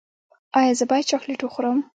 ایا زه باید چاکلیټ وخورم؟